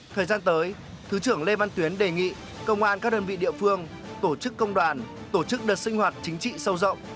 thời gian tới thứ trưởng lê văn tuyến đề nghị công an các đơn vị địa phương tổ chức công đoàn tổ chức đợt sinh hoạt chính trị sâu rộng